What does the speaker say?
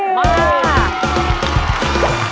มาค่ะ